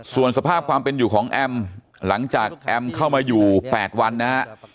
ส่วนสภาพความเป็นอยู่ของแอมหลังจากแอมเข้ามาอยู่๘วันนะฮะ